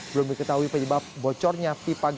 belum diketahui penyebab bocornya